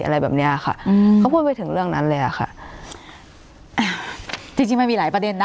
อะไรแบบเนี้ยค่ะอืมเขาพูดไปถึงเรื่องนั้นเลยอ่ะค่ะอ่าจริงจริงมันมีหลายประเด็นนะ